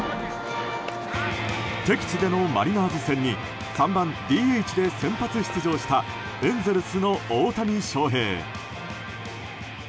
敵地でのマリナーズ戦に３番ＤＨで先発出場したエンゼルスの大谷翔平。